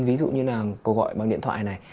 ví dụ như là câu gọi bằng điện thoại này